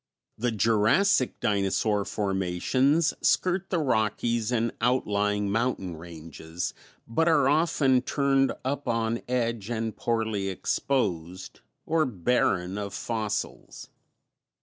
The Jurassic dinosaur formations skirt the Rockies and outlying mountain ranges but are often turned up on edge and poorly exposed, or barren of fossils.